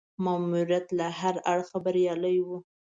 ماموریت له هره اړخه بریالی وو.